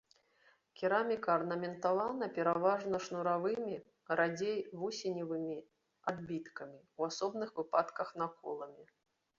Кераміка арнаментавана пераважна шнуравымі, радзей вусеневымі адбіткамі, у асобных выпадках наколамі.